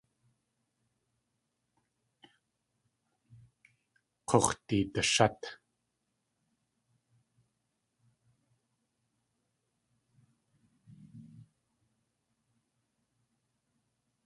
K̲ux̲ teedashát!